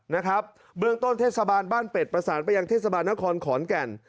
นะครับเบื้องต้นเทศบาลบ้านเป็ดประสานไปยังเทศบาลนครขอนแก่น